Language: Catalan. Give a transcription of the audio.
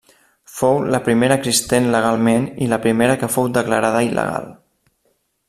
Fou la primera existent legalment i la primera que fou declarada il·legal.